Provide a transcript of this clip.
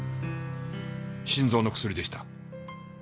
心臓の薬でした。